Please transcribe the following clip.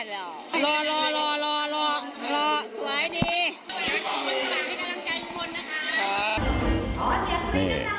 รอหลักสวยสิ